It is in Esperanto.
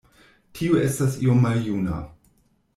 Tio estas iom maljuna.